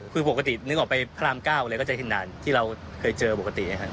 คือปกติคือนึกออกก็ไปพลามก้าวเลยก็จะอีกเห็นด่านที่เราเคยเจอปกติ